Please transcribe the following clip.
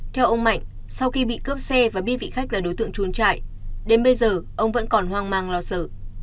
theo ông mạnh sau khi bị cướp xe và biết vị khách là đối tượng trốn chạy đến bây giờ ông vẫn còn hoang mang lo sợ